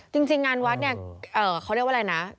จริงงานวัดเนี่ยเขาเรียกว่าอะไรนะ